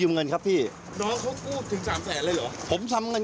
เกี่ยวกับบังดีนมาสอบปากคำเนี่ย